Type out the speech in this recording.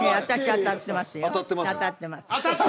当たってます